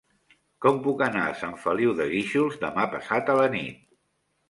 Com puc anar a Sant Feliu de Guíxols demà passat a la nit?